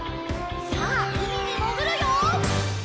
さあうみにもぐるよ！